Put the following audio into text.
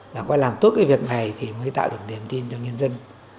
mà có làm tốt cái việc này thì mới tạo được niềm tin cho nhân dân